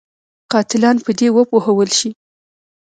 قاتلان په دې وپوهول شي.